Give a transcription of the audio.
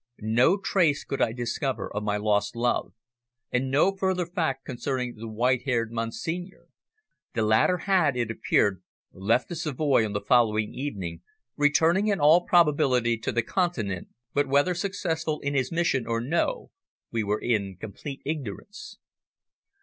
No trace could I discover of my lost love, and no further fact concerning the white haired monsignore. The latter had, it appeared, left the Savoy on the following evening, returning, in all probability, to the Continent, but whether successful in his mission or no we were in complete ignorance.